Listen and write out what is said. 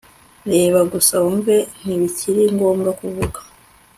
reba gusa wumve ntibikiri ngombwa kuvuga